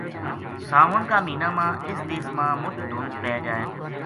ساون کا مہینہ ما اس دیس ما مُچ دھُند پے جائے